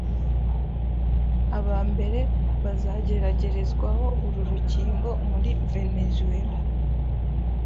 abambere bazageragerezwaho uru rukingo muri Venezuela.